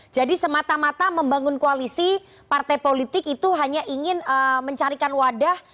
jadi semata mata membangun koalisi partai politik itu hanya ingin mencarikan wadah